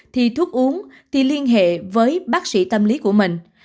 thì thuốc uống thì liên hệ với bác sĩ tâm lý của mình